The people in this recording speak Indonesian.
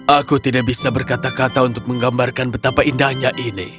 aku tidak bisa berkata kata untuk menggambarkan betapa indahnya ini